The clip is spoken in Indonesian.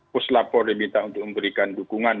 puslapor diminta untuk memberikan dukungan